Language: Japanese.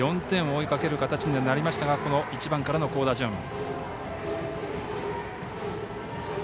４点を追いかける形にはなりましたがこの１番からの好打順。